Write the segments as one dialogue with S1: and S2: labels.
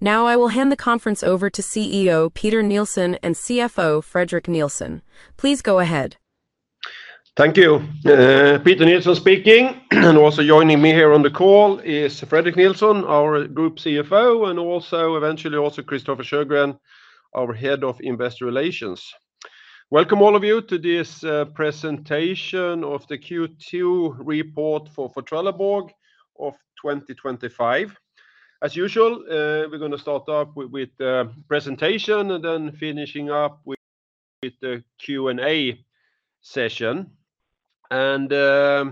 S1: Now I will hand the conference over to CEO Peter Nilsson and CFO Fredrik Nilsson. Please go ahead.
S2: Thank you. Peter Nilsson speaking. Also joining me here on the call is Fredrik Nilsson, our Group CFO. Eventually also Christofer Sjögren, our Head of Investor Relations. Welcome all of you to this presentation of the Q2 report for Trelleborg of 2025. As usual we're going to start up with presentation and then finishing up with the Q&A session. As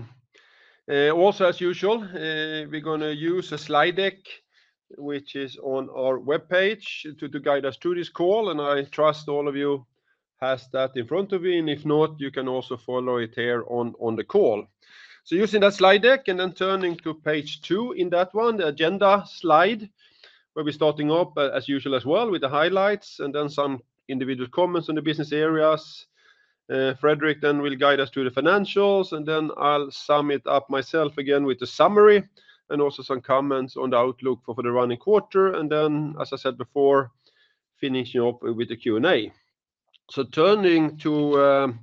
S2: usual we're going to use a slide deck which is on our webpage to guide us through this call. I trust all of you have that in front of you and if not you can also follow it here on the call. Using that slide deck and then turning to page two in that one, the agenda slide, where we're starting up as usual as well with the highlights and then some individual comments on the business areas. Fredrik then will guide us through the financials and then I'll sum it up myself again with the summary and also some comments on the outlook for the running quarter. As I said before, finishing up with the Q&A. Turning to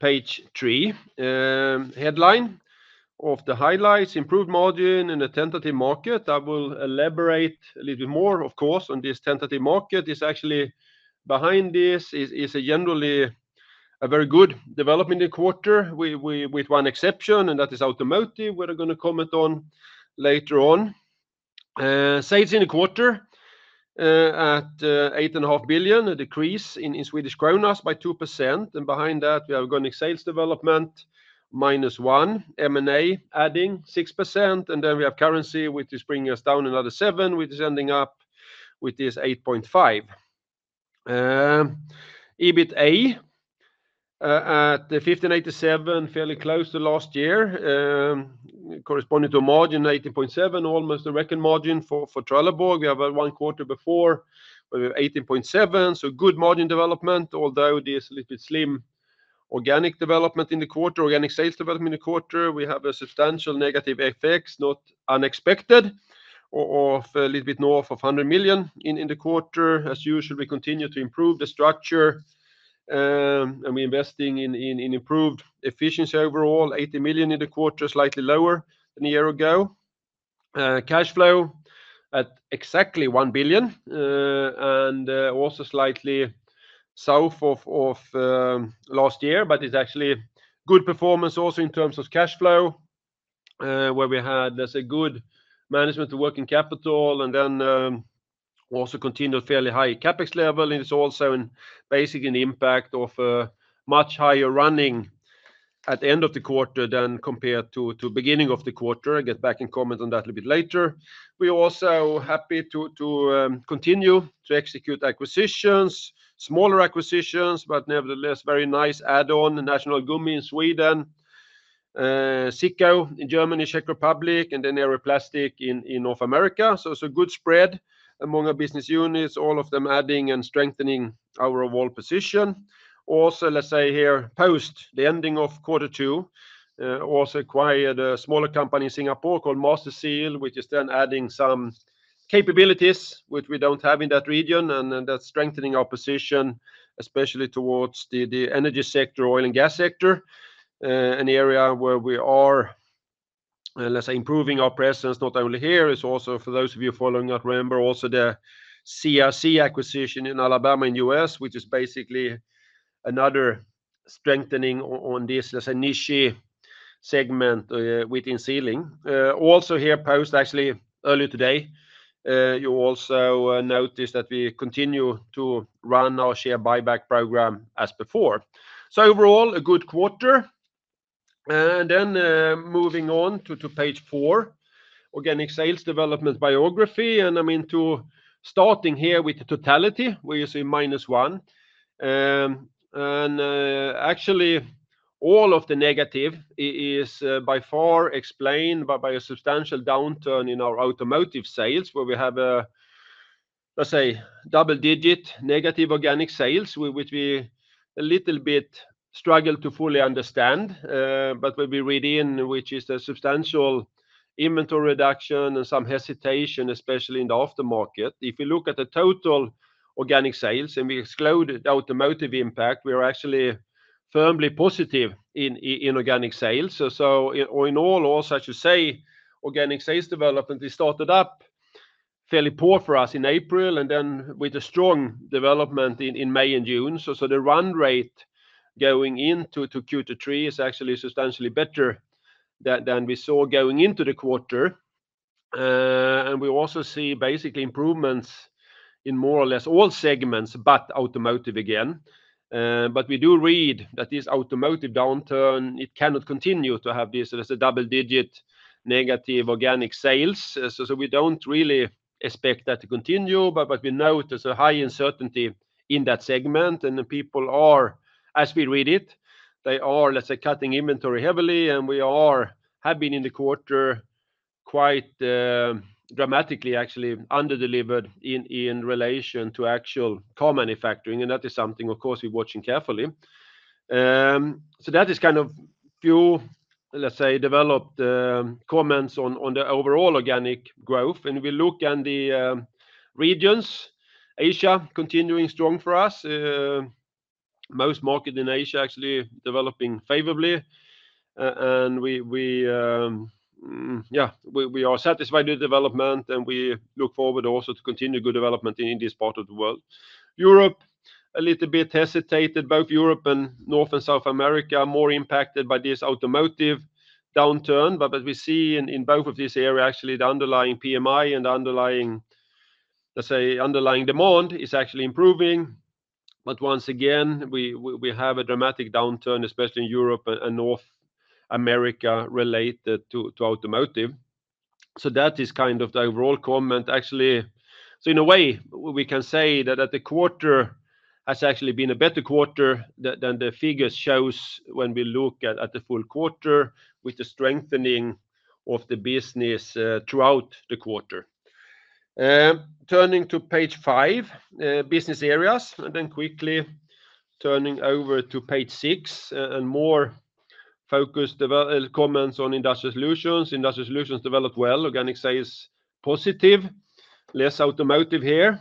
S2: page three, headline of the highlights. Improved margin in a tentative market. I will elaborate a little bit more of course on this tentative market is actually behind. This is generally a very good development in quarter with one exception and that is automotive. We're going to comment on later on sales in the quarter at 8.5 billion, a decrease in Swedish krona by 2% and behind that we are going sales development minus 1, M&A adding 6% and then we have currency which is bringing us down another 7 which is ending up with this 8.5. EBIT-A at the 1,587, fairly close to last year corresponding to margin 18.7%, almost the record margin for Trelleborg. We have one quarter before 18.7%. Good margin development, although it is a little bit slim. Organic development in the quarter. Organic sales development in the quarter. We have a substantial negative effects, not unexpected, of a little bit north of 100 million in the quarter. As usual we continue to improve the structure and we're investing in improved efficiency overall 80 million in the quarter, slightly lower than a year ago. Cash flow at exactly 1 billion and also slightly south of last year. It's actually good performance also in terms of cash flow where we had good management to working capital and then also continued fairly high CapEx level. It's also an impact of a much higher running at the end of the quarter than compared to beginning of the quarter. I get back in comments on that a bit later. We are also happy to continue to execute acquisitions, smaller acquisitions but nevertheless very nice. Add on National Gummi in Sweden, SIKO in Germany, Czech Republic, and then Aero-Plastics in North America. Good spread among our business units, all of them adding and strengthening our overall position. Also, let's say here post the ending of quarter two, also acquired a smaller company in Singapore called Master Seal, which is then adding some capabilities which we don't have in that region and that's strengthening our position especially towards the energy sector, oil and gas sector, an area where we are, let's say, improving our presence not only here. It's also for those of you following that, remember also the CRC acquisition in Alabama and U.S., which is basically another strengthening on this as a niche segment within Sealing. Also here, actually earlier today, you also notice that we continue to run our share buyback program as before. Overall a good quarter. Moving on to page four, organic sales development biography, and I'm into starting here with the totality. We see minus one and actually all of the negative is by far explained by a substantial downturn in our automotive sales where we have, let's say, double digit negative organic sales, which we a little bit struggle to fully understand. What we read in, which is the substantial inventory reduction and some hesitation especially in the aftermarket. If we look at the total organic sales and we exclude automotive impact, we are actually firmly positive in organic sales. In all, also as you say, organic sales development, they started up fairly poor for us in April and then with a strong development in May and June. The run rate going into Q2.3 is actually substantially better than we saw going into the quarter. We also see basically improvements in more or less all segments but automotive again. We do read that this automotive downturn, it cannot continue to have this as a double digit negative organic sales. We don't really expect that to continue, but we notice a high uncertainty in that segment and the people are, as we read it, they are, let's say, cutting inventory heavily and we have been in the quarter quite dramatically actually under delivered in relation to actual car manufacturing and that is something of course we're watching carefully. That is kind of a few, let's say, developed comments on the overall organic growth. We look at the regions, Asia continuing strong for us, most markets in Asia actually developing favorably, and we are satisfied with development. We look forward also to continue good development in this part of the world. Europe a little bit hesitated. Both Europe and North and South America are more impacted by this automotive downturn. As we see in both of these areas, actually the underlying PMI and underlying, let's say, underlying demand is actually improving. Once again, we have a dramatic downturn, especially in Europe and North America, related to automotive. That is kind of the overall comment, actually. In a way, we can say that the quarter has actually been a better quarter than the figures show when we look at the full quarter with the strengthening of the business throughout the quarter. Turning to page five, business areas, and then quickly turning over to page six and more focused comments on industrial solutions. Industrial solutions developed well, organic sales positive, less automotive here.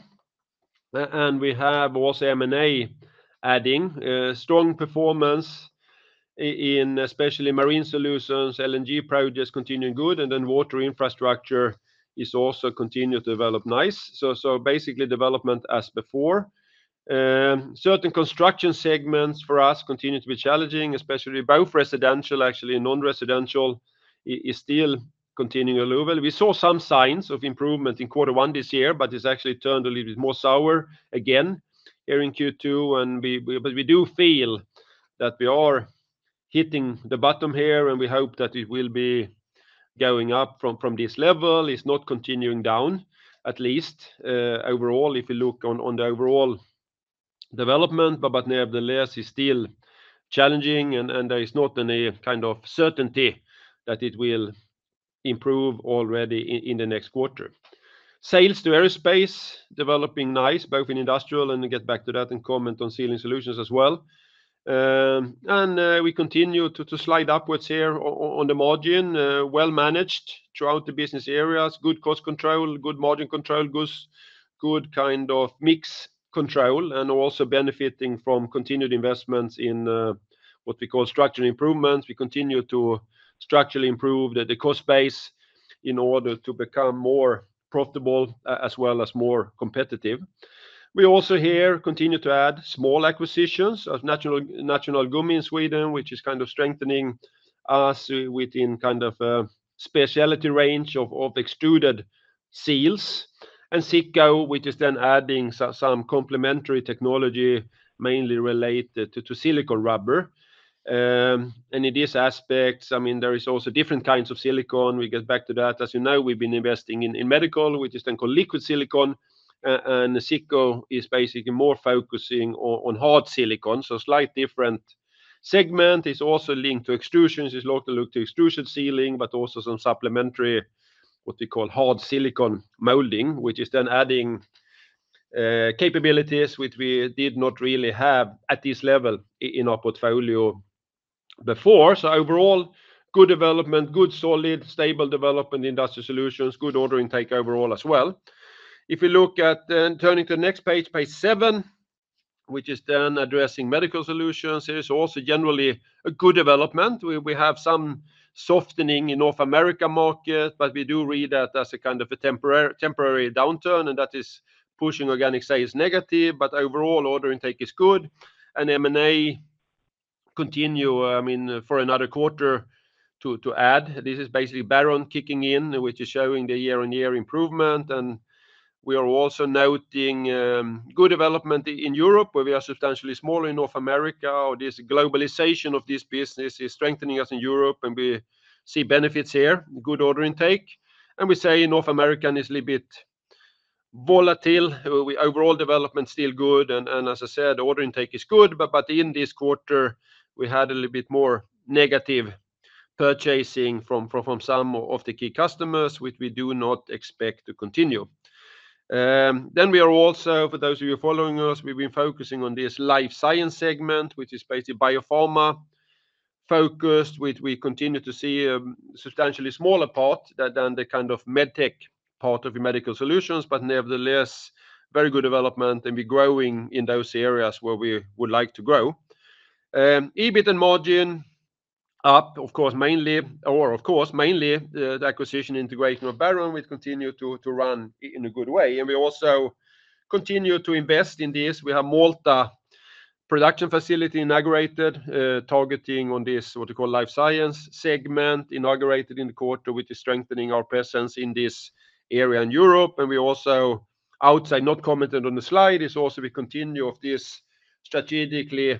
S2: We have also M&A adding strong performance, especially in marine solutions. LNG projects continue good, and then water infrastructure is also continuing to develop nicely. Basically, development as before, certain construction segments for us continue to be challenging, especially both residential. Actually, non-residential is still continuing a little. We saw some signs of improvement in quarter one this year, but it's actually turned a little bit more sour again here in Q2. We do feel that we are hitting the bottom here, and we hope that it will be going up from this level. It's not continuing down at least overall if you look on the overall development. Nevertheless, it's still challenging, and there is not any kind of certainty that it will improve already in the next quarter. Sales to aerospace developing nicely, both in industrial, and get back to that and comment on Sealing Solutions as well. We continue to slide upwards here on the margin. Managed throughout the business areas, good cost control, good margin control, good kind of mix control, and also benefiting from continued investments in what we call structural improvements. We continue to structurally improve the cost base in order to become more profitable as well as more competitive. We also here continue to add small acquisitions of National Gummi in Sweden, which is kind of strengthening us within kind of specialty range of extruded seals, and SIKO, which is then adding some complementary technology mainly related to silicon rubber. In this aspect, I mean there is also different kinds of silicon. We get back to that. As you know, we've been investing in medical, which is then called liquid silicon, and SIKO is basically more focusing on hard silicon. Slight different segment is also linked to extrusions. It's local look to extrusion sealing, but also some supplementary what we call hard silicon molding, which is then adding capabilities which we did not really have at this level in our portfolio before. Overall, good development, good solid stable development industry solutions, good order intake overall as well. If you look at turning to the next page, page seven, which is then addressing medical solutions, is also generally a good development. We have some softening in North America market, but we do read that as a kind of a temporary, temporary downturn, and that is pushing organic sales negative. Overall order intake is good, and M&A continue for another quarter to add. This is basically Baron kicking in, which is showing the year-on-year improvement, and we are also noting good development in Europe where we are substantially smaller in North America. This globalization of this business is strengthening us in Europe, and we see benefits here, good order intake, and we say North American is a little bit volatile. Overall development still good, and as I said, order intake is good. In this quarter we had a little bit more negative purchasing from some of the key customers, which we do not expect to continue. We are also, for those of you following us, we've been focusing on this life science segment, which is basically biopharma focused. We continue to see a substantially smaller part than the kind of medtech part of your medical solutions, but nevertheless very good development, and we're growing in those areas where we would like to grow. EBITDA margin up, of course, mainly the acquisition integration of Baron will continue to run in a good way, and we also continue to invest in this. We have Malta production facility inaugurated targeting on this what you call life science segment inaugurated in the quarter, which is strengthening our presence in this area in Europe. We also, outside not commented on the slide, continue this strategically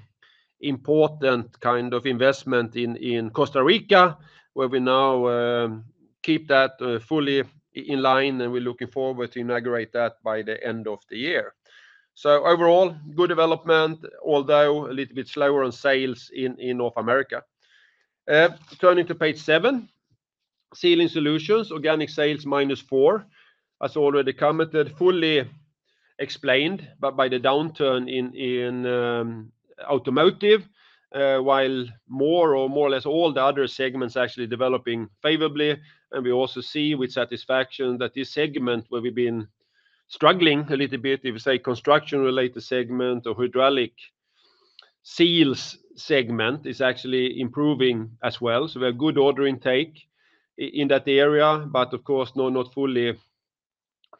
S2: important kind of investment in Costa Rica where we now keep that fully in line and we're looking forward to inaugurate that by the end of the year. Overall, good development although a little bit slower on sales in North America. Turning to page seven, Sealing solutions organic sales -4% as already commented, fully explained by the downturn in automotive while more or less all the other segments actually developing favorably. We also see with satisfaction that this segment where we've been struggling a little bit, if you say construction related segment or hydraulic seals segment, is actually improving as well. We have good order intake in that area but of course not fully,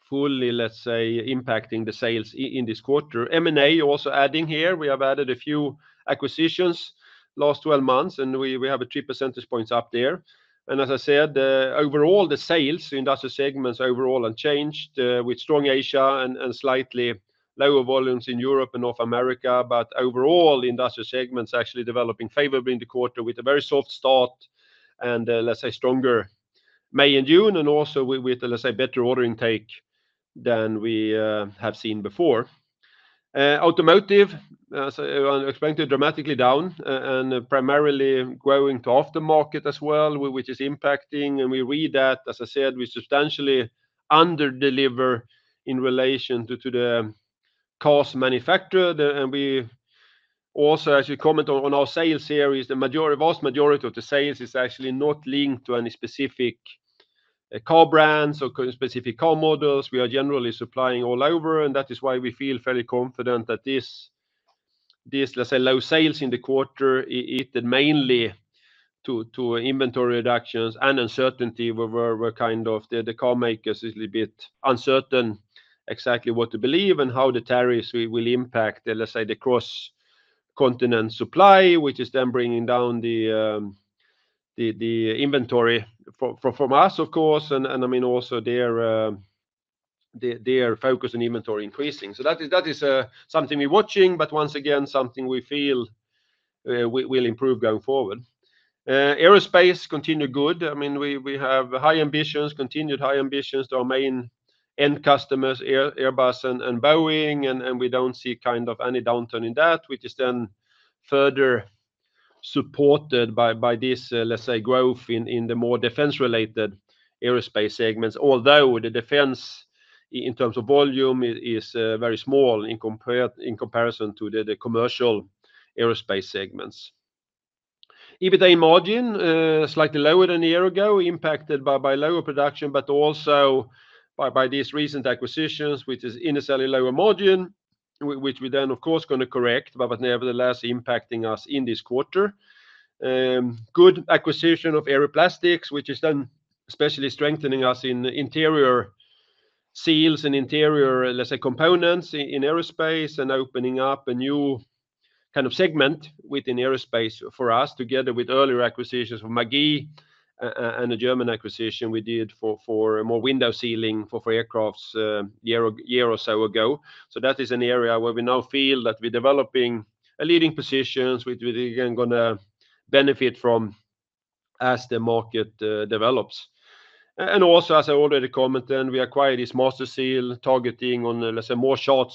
S2: fully let's say impacting the sales in this quarter. M&A, you're also adding here, we have added a few acquisitions last 12 months and we have a 3% up there. As I said, overall the sales industrial segments overall unchanged with strong Asia and slightly lower volumes in Europe and North America. Overall, the industrial segments actually developing favorably in the quarter with a very soft start and stronger May and June and also with a better order intake than we have seen before. Automotive expected dramatically down and primarily growing to aftermarket as well, which is impacting and we read that as I said we substantially under deliver in relation to the cost manufacturer and we also, as you comment on our sales series, the majority, vast majority of the sales is actually not linked to any specific car brands or specific car models. We are generally supplying all over. That is why we feel very confident that this, let's say, low sales in the quarter is mainly due to inventory reductions and uncertainty where kind of the car makers are a little bit uncertain exactly what to believe and how the tariffs will impact the cross continent supply, which is then bringing down the inventory from us of course and also their focus on inventory increasing. That is something we're watching but once again something we feel will improve going forward. Aerospace continue good. We have high ambitions, continued high ambitions, domain end customers Airbus and Boeing and we don't see any downturn in that, which is then further supported by this growth in the more defense related aerospace segments. Although the defense in terms of volume is very small in comparison to the commercial aerospace segments. EBITDA margin slightly lower than a year ago, impacted by lower production but also by these recent acquisitions, which is in a cellular lower margin, which we then of course are going to correct, but nevertheless impacting us in this quarter. Good acquisition of Aero-Plastics, which is then especially strengthening us in interior seals and interior, let's say, components in aerospace and opening up a new kind of segment within aerospace for us, together with earlier acquisitions of Magee and the German acquisition we did for more window sealing for aircrafts a year or so ago. That is an area where we now feel that we're developing leading positions, which we're going to benefit from as the market develops. As I already commented, we acquired this Master Seal targeting on, let's say, more short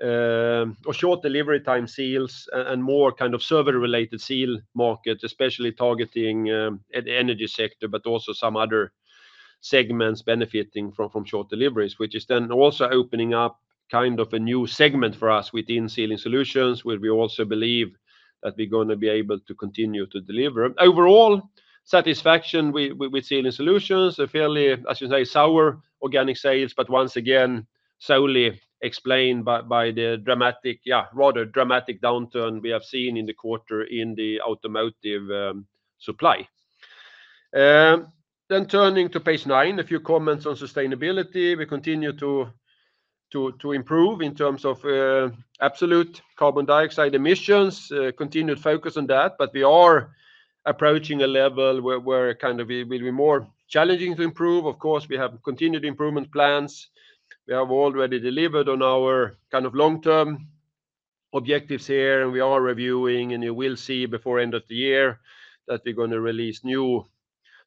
S2: cycle or short delivery time seals and more kind of server related seal market, especially targeting the energy sector but also some other segments benefiting from short deliveries, which is then also opening up kind of a new segment for us within Sealing Solutions where we also believe that we're going to be able to continue to deliver overall satisfaction with Sealing Solutions. A fairly, I should say, sour organic sales. Once again solely explained by the dramatic, yeah, rather dramatic downturn we have seen in the quarter in the automotive supply. Turning to page nine, a few comments on sustainability. We continue to improve in terms of absolute carbon dioxide emissions, continued focus on that, but we are approaching a level where it is more challenging to improve. Of course, we have continued improvement plans, we have already delivered on our long term objectives here, and we are reviewing, and you will see before end of the year that we're going to release new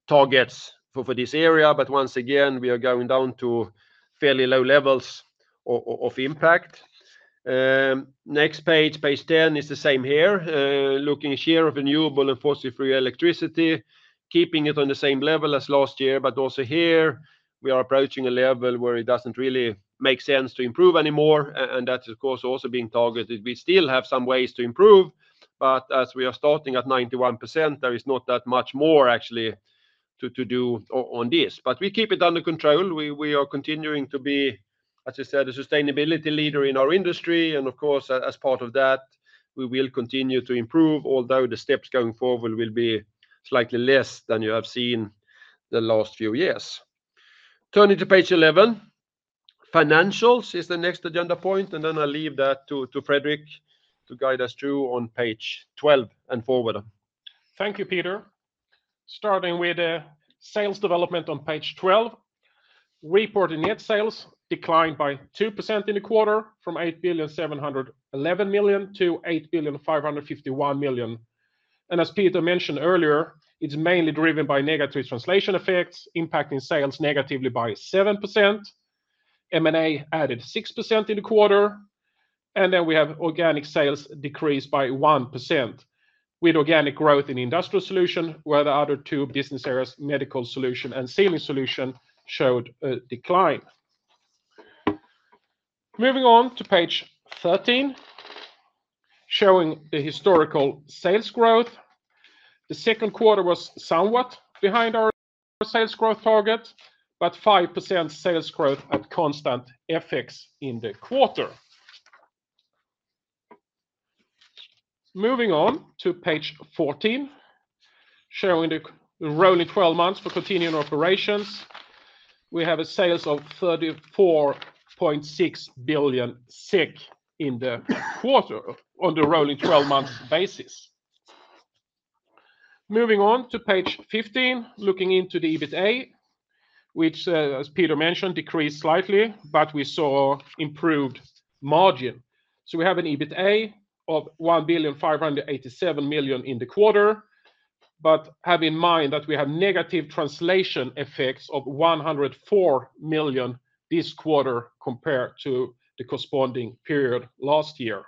S2: targets for this area. Once again, we are going down to fairly low levels of impact. Next page, page 10, is the same here. Looking at share of renewable and fossil free electricity, keeping it on the same level as last year. Also here we are approaching a level where it doesn't really make sense to improve anymore, and that's of course also being targeted. We still have some ways to improve, but as we are starting at 91%, there is not that much more actually to do on this, but we keep it under control. We are continuing to be, as I said, a sustainability leader in our industry, and of course as part of that we will continue to improve, although the steps going forward will be slightly less than you have seen the last few years. Turning to page 11, financials is the next agenda point, and then I'll leave that to Fredrik to guide us through on page 12 and forward.
S3: Thank you, Peter. Starting with sales development on page 12, reported net sales declined by 2% in the quarter from 8,711 million to 8,551 million. As Peter mentioned earlier, it is mainly driven by negative translation effects impacting sales negatively by 7%. M&A added 6% in the quarter. We have organic sales decreased by 1% with organic growth in Industrial Solutions, where the other two business areas, Medical Solutions and Sealing Solutions, showed a decline. Moving on to page 13 showing the historical sales growth, the second quarter was somewhat behind our sales growth target, but 5% sales growth at constant FX in the quarter. Moving on to page 14 showing the rolling 12 months for continuing operations, we have sales of 34.6 billion in the quarter on a rolling 12 months basis. Moving on to page 15, looking into the EBIT-A, which as Peter mentioned, decreased slightly, but we saw improved margin. We have an EBIT-A of 1,587 million in the quarter. Have in mind that we have negative translation effects of 104 million this quarter compared to the corresponding period last year.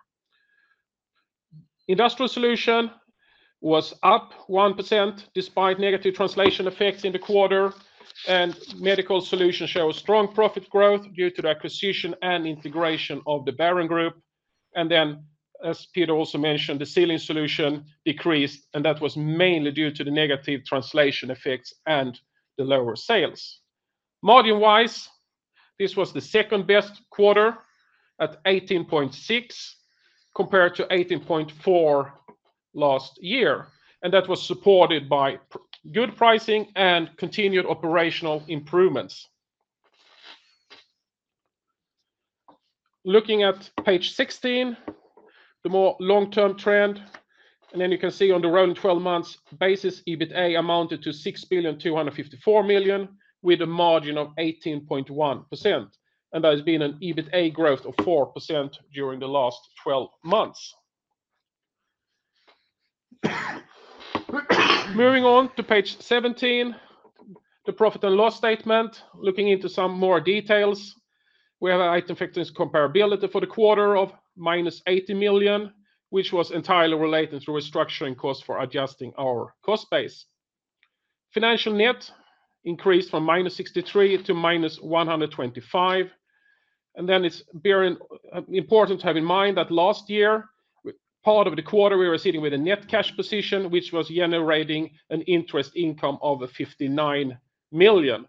S3: Industrial Solutions was up 1% despite negative translation effects in the quarter, and Medical Solutions showed strong profit growth due to the acquisition and integration of the Baron Group. As Peter also mentioned, the Sealing Solutions decreased, and that was mainly due to the negative translation effects and the lower sales. Module-wise, this was the second best quarter at 18.6% compared to 18.4% last year, and that was supported by good pricing and continued operational improvements. Looking at page 16, the more long-term trend, you can see on the rolling 12 months basis EBITDA amounted to 6,254 million with a margin of 18.1%. There has been an EBITDA growth of 4% during the last 12 months. Moving on to page 17, the profit and loss statement, looking into some more details, we have items affecting comparability for the quarter of -80 million, which was entirely related to restructuring cost for adjusting our cost base. Financial net increased from -63 to -125. It is important to have in mind that last year, part of the quarter, we were sitting with a net cash position, which was generating an interest income of 59 million.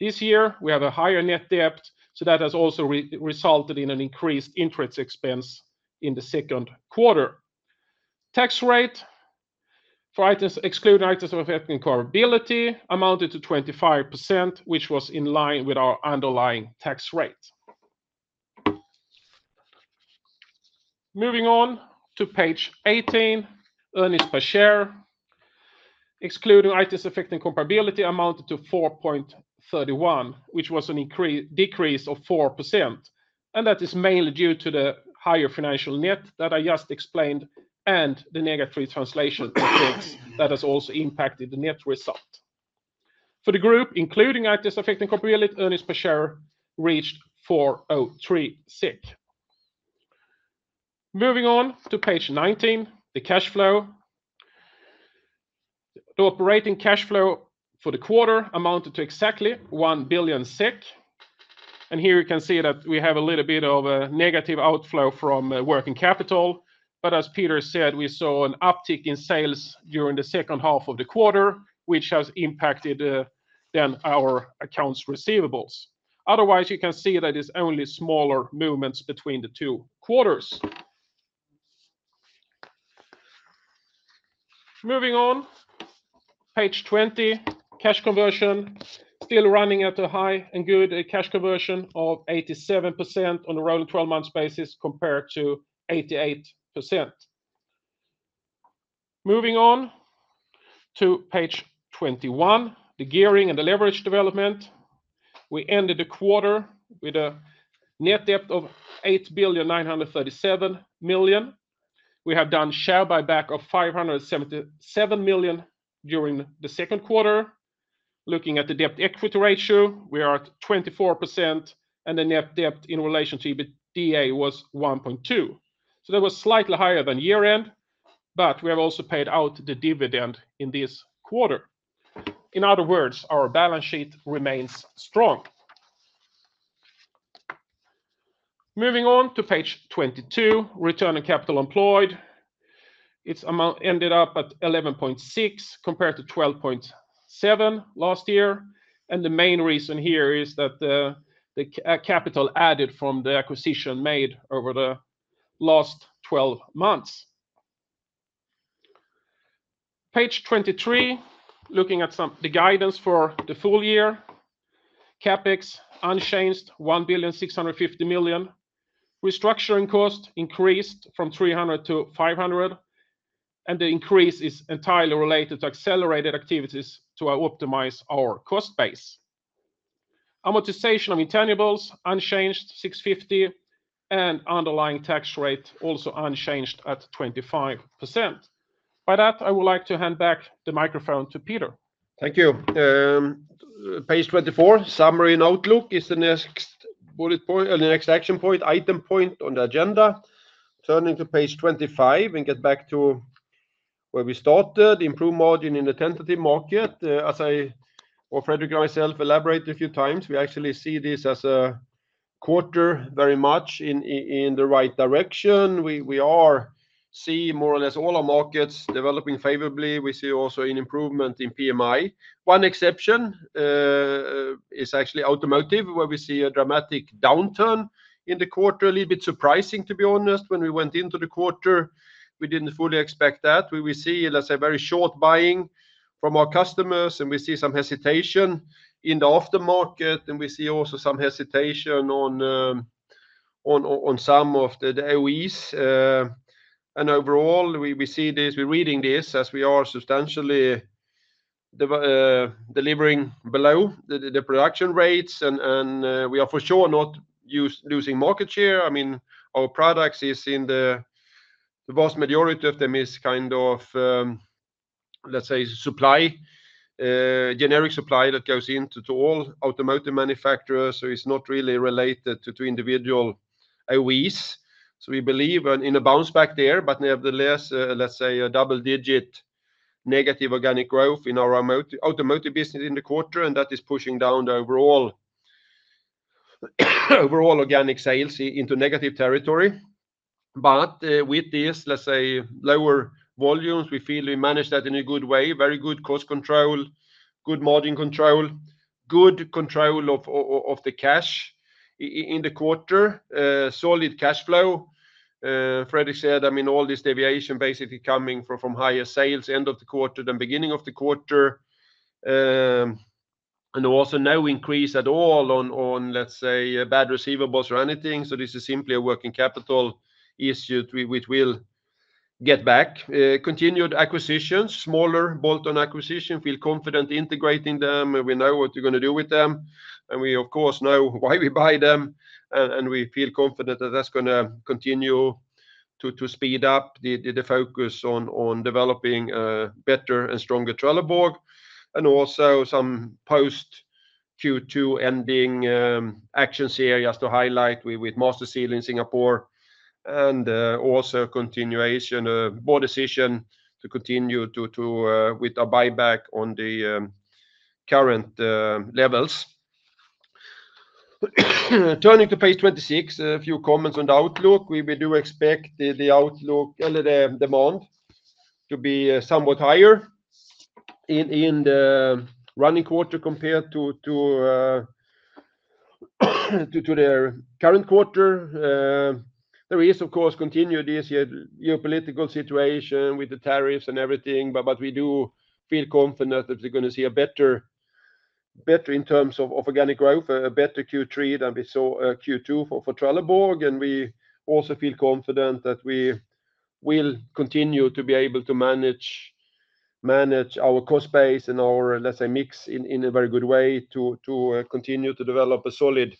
S3: This year, we have a higher net debt, so that has also resulted in an increased interest expense. In the second quarter, tax rate for items excluding items of effect incomparability amounted to 25%, which was in line with our underlying tax rate. Moving to page 18. Earnings per share excluding items affecting comparability amounted to 4.31, which was a decrease of 4%. That is mainly due to the higher financial net that I just explained and the negative translation effects that has also impacted the net result for the group, including items affecting comparability. Earnings per share reached 4.03. Moving on to page 19, the cash flow, the operating cash flow for the quarter amounted to exactly 1 billion SEK. Here you can see that we have a little bit of a negative outflow from working capital. As Peter said, we saw an uptick in sales during the second half of the quarter, which has impacted then our accounts receivables. Otherwise, you can see that it's only smaller movements between the two quarters. Moving on, page 20, cash conversion still running at a high and good cash conversion of 87% on a rolling 12 months basis compared to 88%. Moving on to page 21, the gearing and the leverage development. We ended the quarter with a net debt of 8,937 million. We have done share buyback of 577 million during the second quarter. Looking at the debt equity ratio, we are at 24% and the net debt in relation to EBITDA was 1.2, so that was slightly higher than year end, but we have also paid out the dividend in this quarter. In other words, our balance sheet remains strong. Moving on to page 22, return on capital employed. Its amount ended up at 11.6% compared to 12.7% last year. The main reason here is that the capital added from the acquisition made over the last 12 months. Page 23, looking at some of the guidance for the full year, CapEx unchanged 1,650,000,000. Restructuring cost increased from 300 to 500 and the increase is entirely related to accelerated activities to optimize our cost base. Amortization of intangibles unchanged 650 and underlying tax rate also unchanged at 25%. By that, I would like to hand back the microphone to Peter.
S2: Thank you. Page 24 summary and outlook is the next bullet point, the next action point, item point on the agenda. Turning to page 25 and get back to where we started. Improve margin in the tentative market. As I or Fredrik myself elaborate a few times, we actually see this as a quarter very much in the right direction. We are see more or less all our markets developing favorably. We see also an improvement in PMI. One exception is actually automotive where we see a dramatic downturn in the quarter. A little bit surprising to be honest. When we went into the quarter we didn't fully expect that. We see let's say very short buying from our customers and we see some hesitation in the aftermarket and we see also some hesitation on some of the AOEs. Overall we see this, we're reading this as we are substantially delivering below the production rates and we are for sure not losing market share. I mean our products in the vast majority of them is kind of let's say generic supply that goes into all automotive manufacturers. It's not really related to individual AOEs. We believe in a bounce back there but nevertheless let's say a double digit negative organic growth in our automotive business in the quarter and that is pushing down the overall organic sales into negative territory. With this lower volumes we feel we manage that in a good way. Very good cost control, good margin control, good control of the cash in the quarter. Solid cash flow. Freddy said all this deviation basically coming from higher sales end of the quarter than beginning of the quarter and also no increase at all on bad receivables or anything. This is simply a working capital issue which will get back. Continued acquisitions, smaller bolt-on acquisition, feel confident integrating them. We know what we're going to do with them and we of course know why we buy them and we feel confident that that's going to continue to speed up the focus on developing better and stronger Trelleborg. Also some post Q2 ending actions here just to highlight with Master Seal in Singapore and also continuation board decision to continue with a buyback on the current levels. Turning to page 26, a few comments on the outlook. We do expect the outlook demand to be somewhat higher in the running quarter compared to the current quarter. There is of course continued this geopolitical situation with the tariffs and everything, but we do feel confident that we're going to see a better, better in terms of, of organic growth, a better Q3 than we saw Q2 for Trelleborg. We also feel confident that we will continue to be able to manage our cost base and our, let's say, mix in a very good way to continue to develop a solid,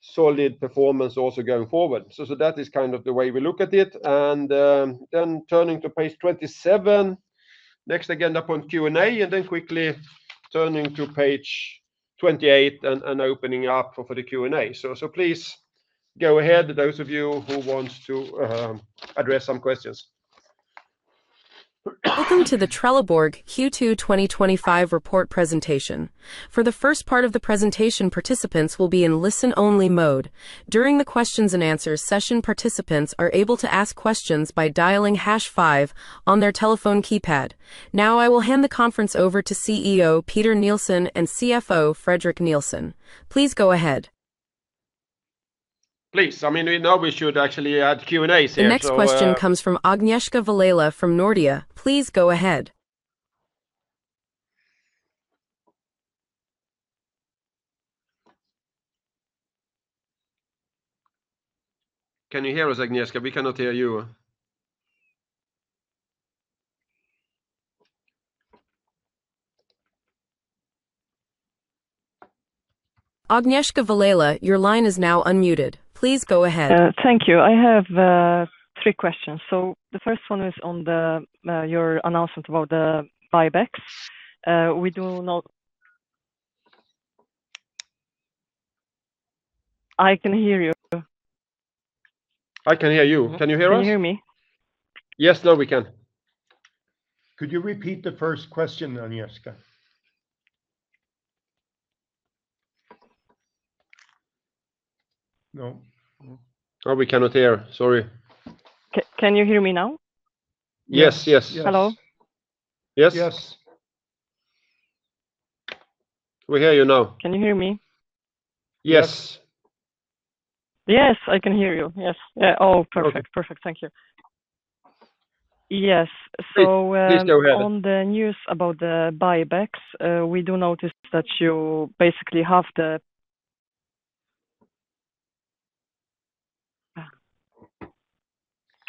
S2: solid performance also going forward. That is kind of the way we look at it. Turning to page next again upon Q&A and then quickly turning to page 28 and opening up for the Q&A. Please go ahead, those of you who want to address some questions.
S1: Welcome to the Trelleborg Q2 2025 report presentation. For the first part of the presentation, participants will be in listen-only mode. During the questions and answers session, participants are able to ask questions by dialing 5 on their telephone keypad. Now I will hand the conference over to CEO Peter Nilsson and CFO Fredrik Nilsson. Please go ahead.
S2: Please. I mean, we know we should actually add Q&As here.
S1: Next question comes from Agnieszka Vilela from Nordea. Please go ahead.
S2: Can you hear us, Agnieszka? We cannot hear you.
S1: Agnieszka Vilela, your line is now unmuted. Please go ahead.
S4: Thank you. I have three questions. The first one is on your announcement about the buybacks. We do not. I can hear you.
S2: I can hear you. Can you hear us?
S4: Can you hear me?
S2: Yes, now we can.
S5: Could you repeat the first question, Agnieszka?
S2: No, we cannot hear. Sorry.
S4: Can you hear me now?
S2: Yes, yes, hello. Yes, yes, we hear you now.
S4: Can you hear me?
S2: Yes,
S4: yes, I can hear you. Yes. Oh, perfect. Thank you. On the news about the buybacks, we do notice that you basically have the—can you hear me?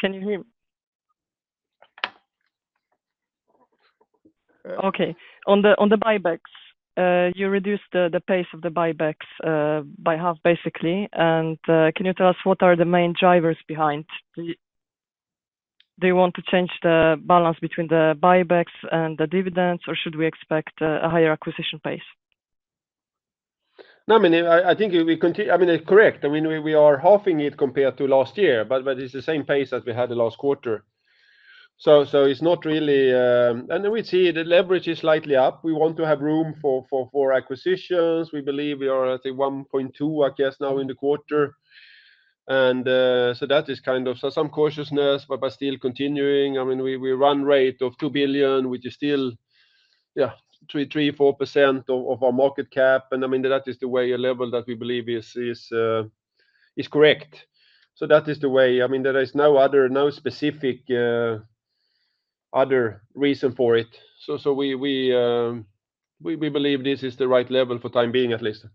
S4: Okay. On the buybacks, you reduced the pace of the buybacks by half, basically. Can you tell us what are the main drivers behind that? Do you want to change the balance between the buybacks and the dividends, or should we expect a higher acquisition pace?
S2: I think we continue. We are halving it compared to last year, but it's the same pace as we had the last quarter, so it's not really. We see the leverage is slightly up. We want to have room for acquisitions. We believe we are at 1.2 now in the quarter, and that is kind of some cautiousness. By still continuing, we run rate of 2 billion, which is still 3, 3, 4% of our market cap. That is the level that we believe is correct. There is no specific other reason for it. We believe this is the right level for time being at least.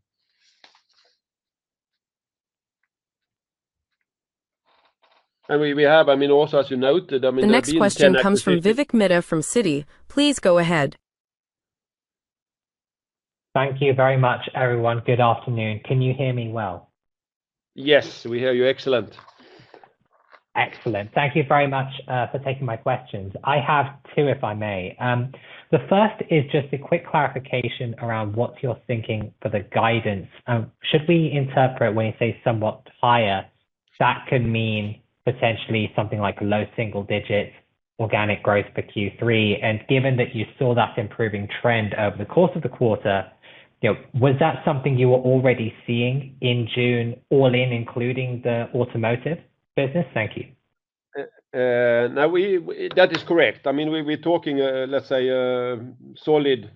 S2: Also, as you noted, I mean.
S1: The next question comes from Vivek Midha from Citi. Please go ahead.
S6: Thank you very much, everyone. Good afternoon. Can you hear me well?
S2: Yes, we hear you. Excellent.
S6: Excellent. Thank you very much for taking my questions. I have two if I may. The first is just a quick clarification around what you're thinking for the guidance. Should we interpret when you say somewhat higher that could mean potentially something like low single digits organic growth for Q3? Given that you saw that improving trend over the course of the quarter, was that something you were already seeing in June all in including the automotive business? Thank you.
S2: That is correct. I mean we're talking, let's say, solid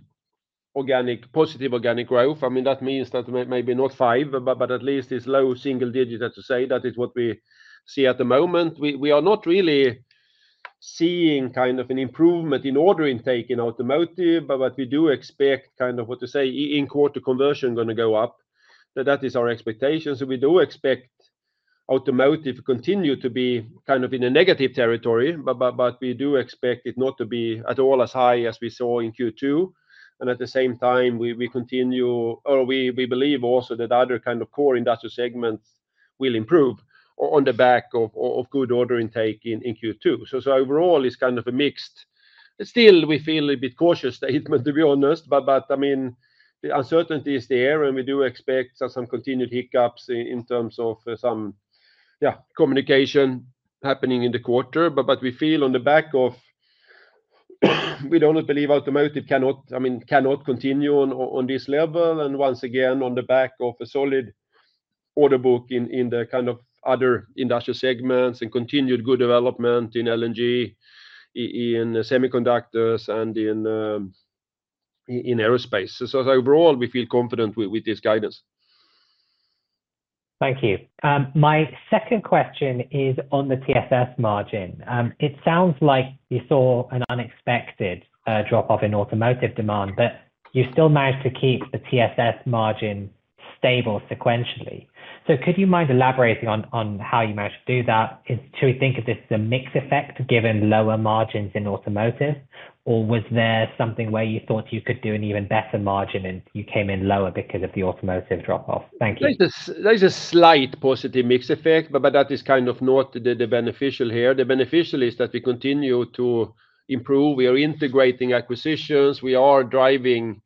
S2: organic, positive organic growth. I mean that means that maybe not five, but at least it's low single digit as you say. That is what we see at the moment. We are not really seeing an improvement in order intake in automotive. What we do expect, in quarter conversion, is going to go up. That is our expectation. We do expect automotive to continue to be in a negative territory, but we do expect it not to be at all as high as we saw in Q2. At the same time, we continue, or we believe also, that other core industrial segments will improve on the back of good order intake in Q2. Overall, it's kind of mixed. Still, we feel a bit cautious, to be honest. The uncertainty is there, and we do expect some continued hiccups in terms of some communication happening in the quarter. We feel, on the back of it, we don't believe automotive can continue on this level. Once again, on the back of a solid order book in the other industrial segments and continued good development in LNG, in semiconductors, and in aerospace, overall we feel confident with this guidance.
S6: Thank you. My second question is on the TSS margin. It sounds like you saw an unexpected drop off in automotive demand, but you still managed to keep the TSS margin stable sequentially. Could you mind elaborating on how you managed to do that? Should we think of this as a mix effect given lower margins in automotive, or was there something where you thought you could do an even better margin and you came in lower because of the automotive drop off? Thank you.
S2: There's a slight positive mix effect, but that is kind of not the beneficial here. The beneficial is that we continue to improve. We are integrating acquisitions. We are driving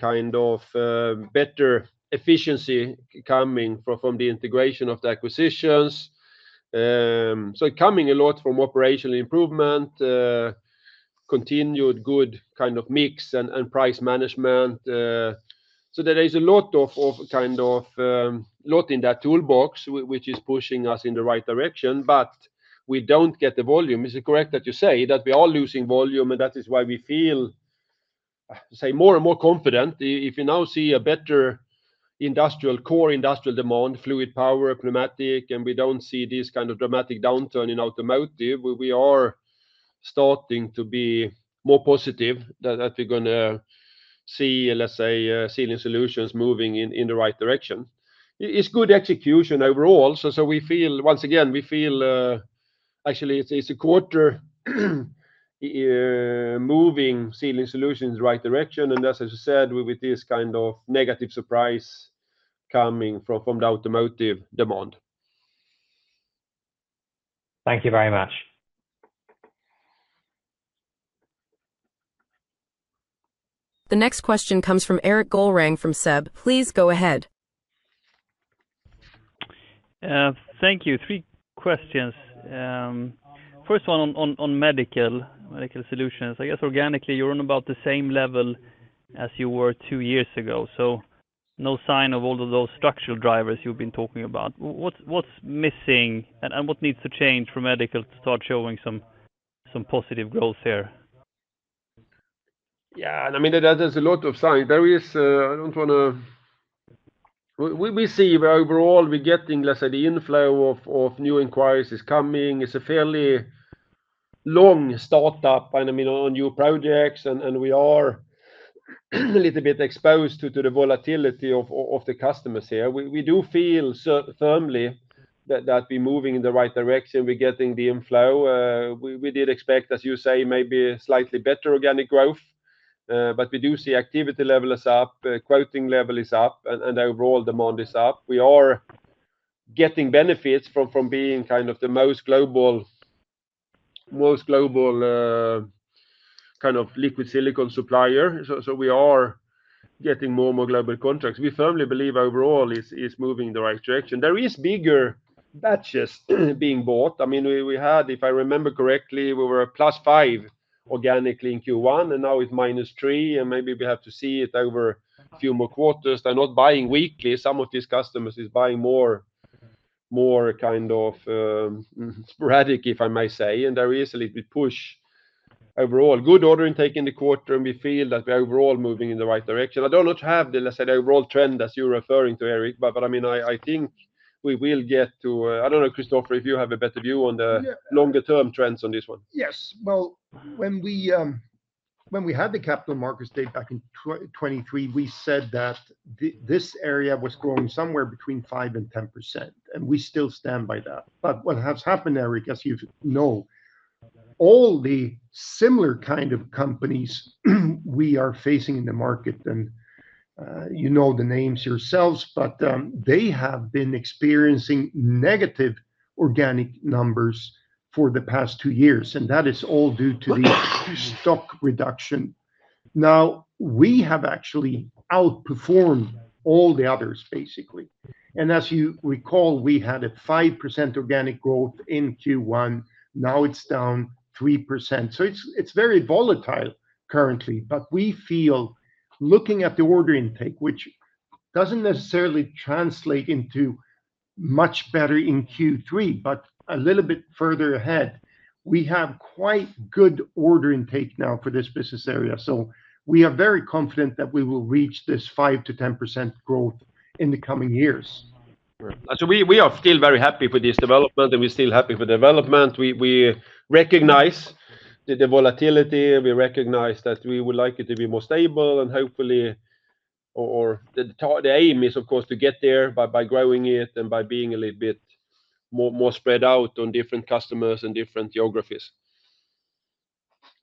S2: kind of better efficiency coming from the integration of the acquisitions. Coming a lot from operational improvement, continued good kind of mix and price management. There is a lot in that toolbox which is pushing us in the right direction. We don't get the volume. Is it correct that you say that we are losing volume? That is why we feel, say more and more confident. If you now see a better industrial core, industrial demand, fluid power, pneumatic, and we don't see this kind of dramatic downturn in automotive, we are starting to be more positive that we're going to see, let's say, Sealing Solutions moving in the right direction. It's good execution overall. We feel, once again, we feel actually it's a quarter moving Sealing Solutions, right direction. As I said with this kind of negative surprise coming from the automotive demand.
S4: Thank you very much.
S1: The next question comes from Erik Golrang from SEB. Please go ahead.
S7: Thank you. Three questions. First one on Medical Solutions, I guess organically you're on about the same level as you were two years ago. No sign of all of those structural drivers you've been talking about. What's missing and what needs to change for medical to start showing some positive growth here.
S2: Yeah, I mean there's a lot of signs. We see overall we're getting, let's say, the inflow of new inquiries is coming. It's a fairly long startup on new projects and we are a little bit exposed to the volatility of the customers here. We do feel firmly that we're moving in the right direction. We're getting the inflow we did expect, as you say, maybe slightly better organic growth. We do see activity levels up, quoting level is up, and overall demand is up. We are getting benefits from being kind of the most global, most global kind of liquid silicon supplier. We are getting more and more global contracts. We firmly believe overall it's moving in the right direction. There are bigger batches being bought. I mean, if I remember correctly, we were plus 5% organically in Q1 and now it's minus three, and maybe we have to see it over a few more quarters. They're not buying weekly. Some of these customers are buying more, more kind of sporadic if I may say. There is a little bit of push, overall good order intake in the quarter, and we feel that we're overall moving in the right direction. I don't know to have the, let's say, the overall trend as you're referring to, Erik. I think we will get to, I don't know, Christofer, if you have a better view on the longer term trends on this one.
S5: Yes, when we had the Capital Markets Day back in 2023, we said that this area was growing somewhere between 5% and 10% and we still stand by that. What has happened, Erik, as you know, all the similar kind of companies we are facing in the market, and you know the names yourselves, but they have been experiencing negative organic numbers for the past two years and that is all due to the stock reduction. We have actually outperformed all the others basically. As you recall, we had a 5% organic growth in Q1. Now it's down 3%. It's very volatile currently. We feel, looking at the order intake, which doesn't necessarily translate into much better in Q3, but a little bit further ahead we have quite good order intake now for this business area. We are very confident that we will reach this 5% to 10% growth in the coming years.
S2: We are still very happy with this development and we're still happy for development. We recognize the volatility, we recognize that we would like it to be more stable and hopefully the aim is of course to get there by growing it and by being a little bit more spread out on different customers and different geographies.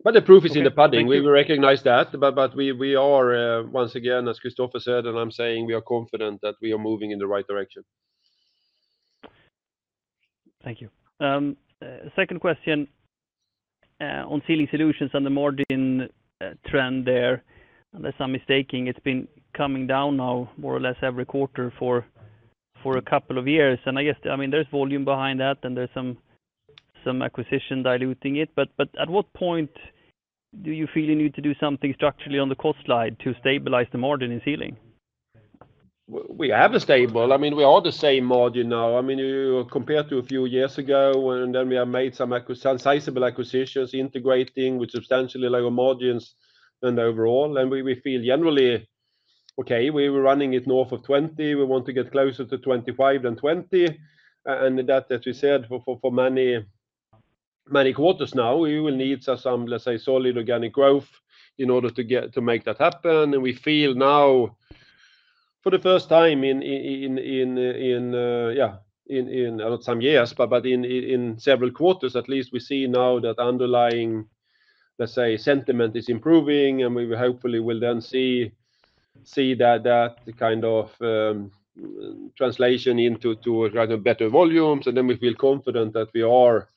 S2: The proof is in the padding. We recognize that. We are once again, as Christofer Sjögren said and I'm saying, we are confident that we are moving in the right direction.
S7: Thank you. Second question on Sealing Solutions and the margin trend there, unless I'm mistaking it's been coming down now more or less every quarter for a couple of years. I guess, I mean there's volume behind that and there's some acquisition diluting it. At what point do you feel you need to do something structurally on the cost side to stabilize the margin in Sealing?
S2: We have a stable, I mean we are the same margin now, I mean compared to a few years ago. We have made some sizable acquisitions integrating with substantially lower margins. Overall, we feel generally okay. We were running it north of 20, we want to get closer to 25 than 20 and that, as we said for many, many quarters now, we will need some, let's say, solid organic growth in order to get to make that happen. We feel now for the first time in, yeah, in some years but in several quarters at least, we see now that underlying, let's say, sentiment is improving and we hopefully will then see that kind of translation into rather better volumes. We feel confident that we are,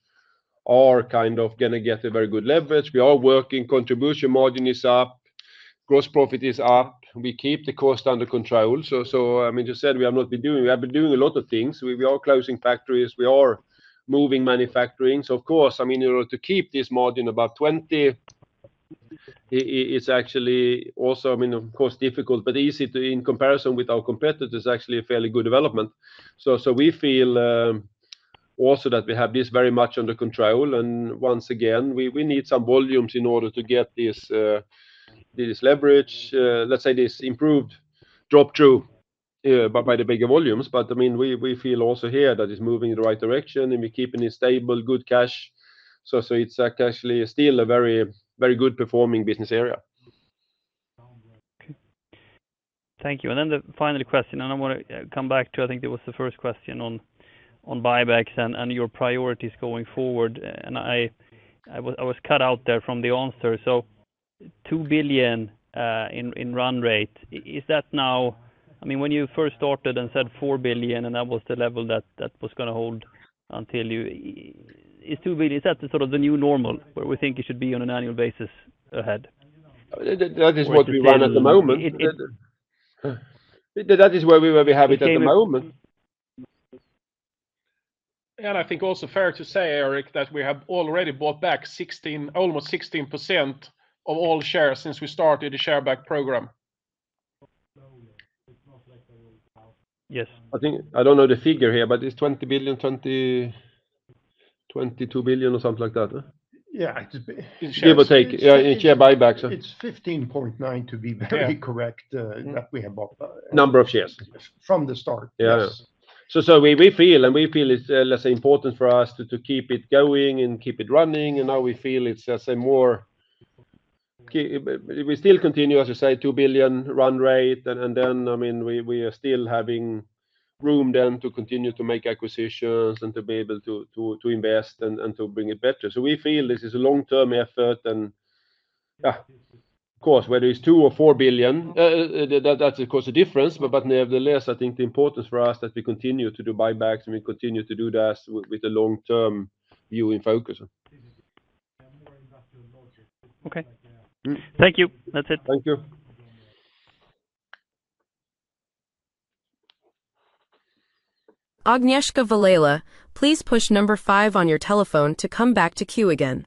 S2: are kind of going to get a very good leverage. We are working. Contribution margin is up, gross profit is up. We keep the cost under control. I mean you said we have not been doing, we have been doing a lot of things. We are closing factories, we are moving manufacturing. Of course, I mean in order to keep this margin about 20. It's actually also, I mean, of course difficult but easy to, in comparison with our competitors, actually a fairly good development. We feel also that we have this very much under control and once again we, we need some volumes in order to get this leverage, let's say, this improved drop through by the bigger volumes. I mean we, we feel also here that is moving in the right direction and we're keeping it stable, good cash. So. It is actually still a very, very good performing business area.
S7: Thank you. The final question, I want to come back to, I think it was the first question on buybacks and your priorities going forward. I was cut out there from the answer. So $2 billion in run rate, is that now? I mean, when you first started and said $4 billion and that was the level that was going to hold until you said it's too big. Is that sort of the new normal where we think it should be on an annual basis ahead?
S2: That is what we run at the moment. That is where we have it at the moment.
S3: I think also fair to say, Erik, that we have already bought back almost 16% of all shares since we started the share buyback program.
S7: Yes.
S2: I think, I don't know the figure here, but it's 20 billion. 20, 22 billion or something like that, give or take share buybacks.
S5: It's 15.9 to be very correct, that we have bought number of shares from the start.
S2: Yes, we feel it's less important for us to keep it going and keep it running. Now we feel it's just more. We still continue, as you say, $2 billion run rate, and then, I mean, we are still having room then to continue to make acquisitions and to be able to invest and to bring it better. We feel this is a long term effort. Of course, whether it's $2 billion or $4 billion, that's a difference. Nevertheless, I think the importance for us is that we continue to do buybacks and we continue to do that with the long term view in focus.
S7: Okay, thank you. That's it.
S3: Thank you.
S1: Agnieszka Vilela, please push number five on your telephone to come back to queue again.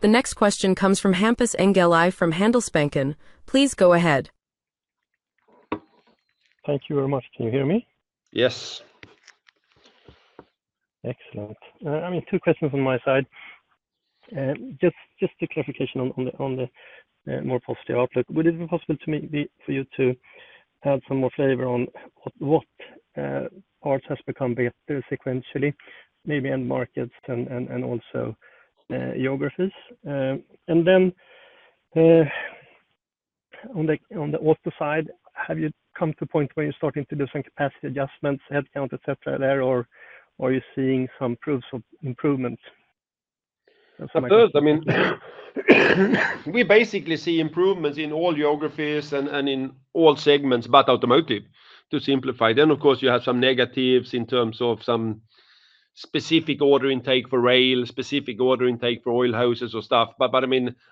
S1: The next question comes from Hampus Engellau from Handelsbanken. Please go ahead.
S8: Thank you very much. Can you hear me?
S2: Yes.
S8: Excellent. I mean, two questions on my side, just a clarification on the more positive outlook. Would it be possible for you to add some more flavor on what parts has become better sequentially? Maybe end markets and also geographies. On the auto side, have you come to a point where you're starting to do some capacity adjustments, headcount, etc. there or are you seeing some proofs of improvement?
S2: I mean, we basically see improvements in all geographies and in all segments except automotive. To simplify, then of course you have some negatives in terms of some specific order intake for rail, specific order intake for oil hoses or stuff.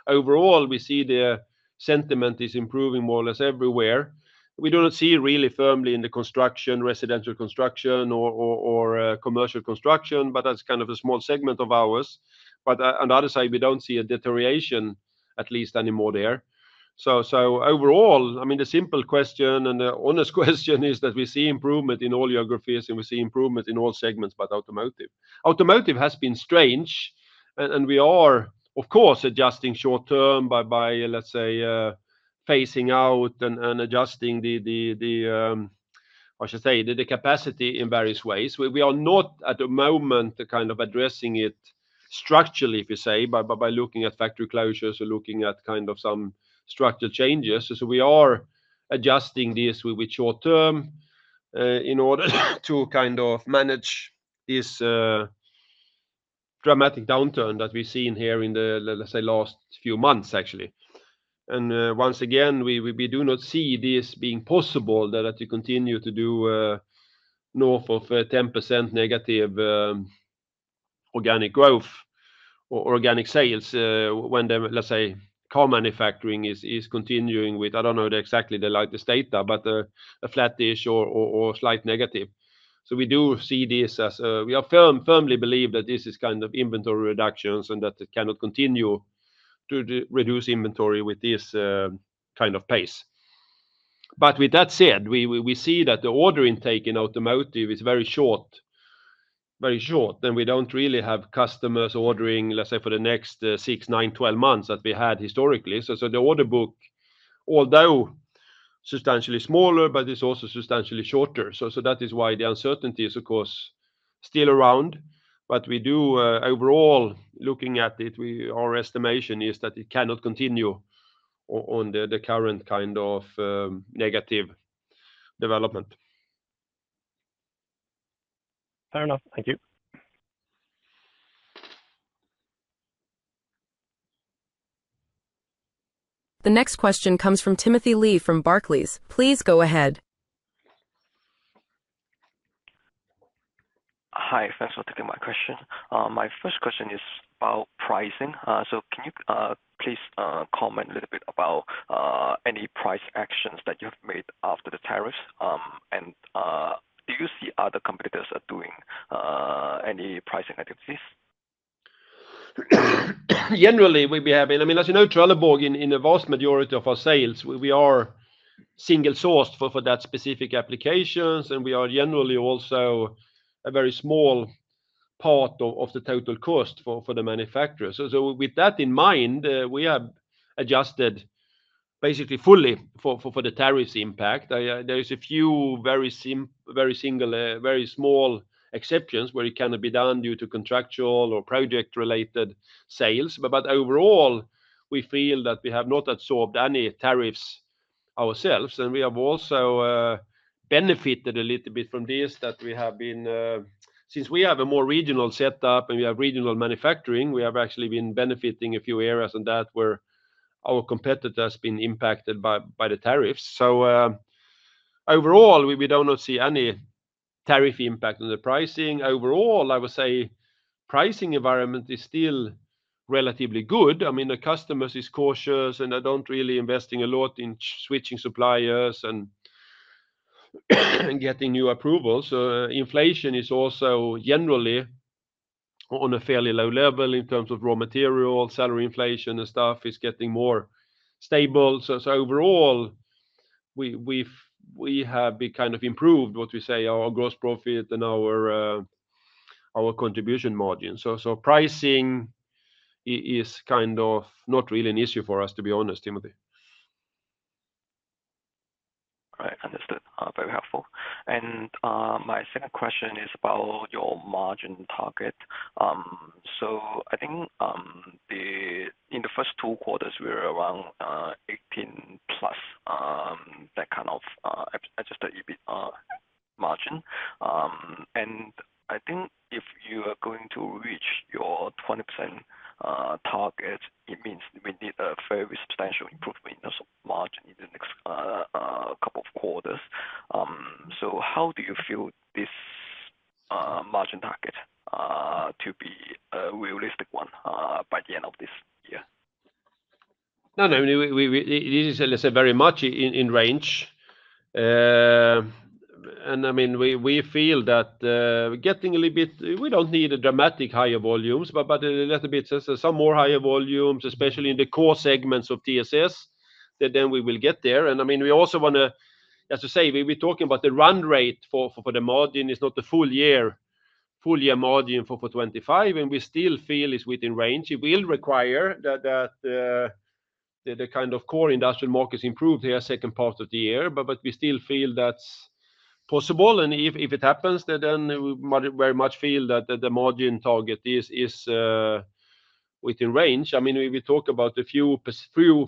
S2: Overall, we see the sentiment is improving more or less everywhere. We do not see really firmly in the construction, residential construction or commercial construction, but that's kind of a small segment of ours. On the other side, we don't see a deterioration at least anymore there. Overall, the simple question and the honest question is that we see improvement in all geographies and we see improvements in all segments except automotive. Automotive has been strange and we are of course adjusting short term by, let's say, phasing out and adjusting the, I should say, the capacity in various ways. We are not at the moment addressing it structurally, if you say by looking at factory closures or looking at some structural changes. We are adjusting this with short term in order to manage this dramatic downturn that we've seen here in the last few months actually. We do not see this being possible that you continue to do north of 10% negative organic growth or organic sales when, let's say, car manufacturing is continuing with, I don't know exactly the latest data, but a flattish or slight negative. We do see this as, we firmly believe that this is kind of inventory reductions and that it cannot continue to reduce inventory with this kind of pace. With that said, we see that the order intake in automotive is very short, very short and we don't really have customers ordering, let's say, for the next 6, 9, 12 months that we had historically. The order book, although substantially smaller, is also substantially shorter. That is why the uncertainty is of course still around. Overall, looking at it, our estimation is that it cannot continue on the current kind of negative development.
S8: Fair enough, thank you.
S1: The next question comes from Timothy Lee from Barclays. Please go ahead.
S9: Hi, thanks for taking my question. My first question is about pricing. Can you please comment a little bit about any price actions that you have made after the tariffs, and do you see other competitors doing any pricing activities?
S2: Generally we'd be happy. I mean, as you know Trelleborg, in the vast majority of our sales we are single sourced for that specific applications and we are generally also a very small part of the total cost for the manufacturer. With that in mind, we have adjusted basically fully for the tariffs impact. There are a few very simple, very single, very small exceptions where it cannot be done due to contractual or project related sales. Overall we feel that we have not absorbed any tariffs ourselves. We have also benefited a little bit from this since we have a more regional setup and we have regional manufacturing. We have actually been benefiting in a few areas on that where our competitor has been impacted by the tariffs. Overall we do not see any tariff impact on the pricing. Overall, I would say pricing environment is still relatively good. I mean the customers are cautious and they don't really invest a lot in switching suppliers and getting new approvals. Inflation is also generally on a fairly low level in terms of raw material, salary inflation, and stuff is getting more stable. Overall we have kind of improved what we say, our gross profit and our contribution margin. Pricing is kind of not really an issue for us, to be honest. Timothy.
S9: Right, understood, very helpful. My second question is about your margin target. I think in the first two quarters we were around 18% plus that kind of adjusted EBITDA margin. I think if you are going to reach your 20% target it means we need a very substantial improvement in terms of margin in the next couple of quarters. How do you feel this margin target to be a realistic one by the end of this year?
S2: No, no, this is very much in range, and I mean we feel that getting a little bit, we don't need dramatically higher volumes, but a little bit some more higher volumes, especially in the core segments of TSS, that then we will get there. I mean we also want to, as I say, we're talking about the run rate for the margin, it's not the full year margin for 2025, and we still feel it's within range. It will require that the kind of core industrial markets improve here in the second part of the year, but we still feel that's possible. If it happens, then we very much feel that the margin target is within range. I mean we talk about a few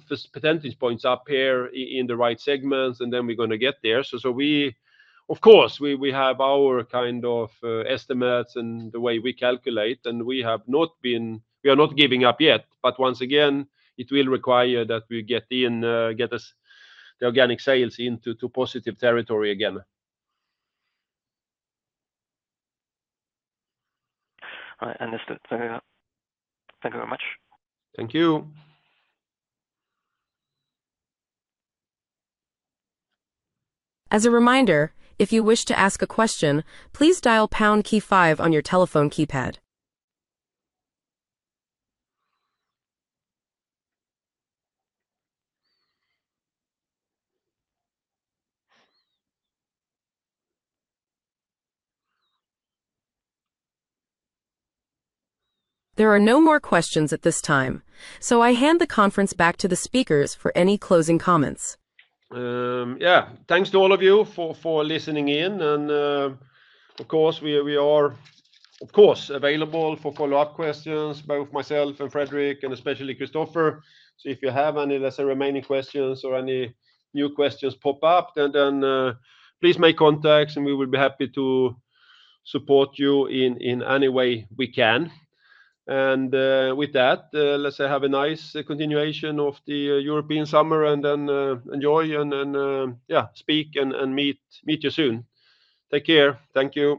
S2: percentage points up here in the right segments, and then we're going to get there. Of course, we have our kind of estimates and the way we calculate, and we have not been, we are not giving up yet. Once again, it will require that we get the organic sales into positive territory again.
S9: I understood. Thank you very much.
S2: Thank you.
S1: As a reminder, if you wish to ask a question, please dial pound key five on your telephone keypad. There are no more questions at this time, so I hand the conference back to the speakers for any closing comments.
S2: Yeah, thanks to all of you for listening in and of course we are available for follow-up questions. Both myself and Fredrik and especially Christofer. If you have any lesser remaining questions or any new questions pop up, then please make contact and we will be happy to support you in any way we can. With that, let's have a nice continuation of the European summer and enjoy and speak and meet you soon. Take care. Thank you.